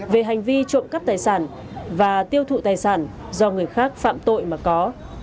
về hành vi trộm cắp tài sản và tiêu thụ tài sản do người khác phạm tội mà có